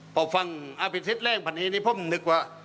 พอฟังอภิสิทธิ์แร่งพันธีนี้ผมนึกว่า